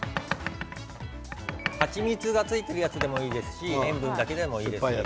蜂蜜がついてあるやつでもいいですし塩分だけでもいいです。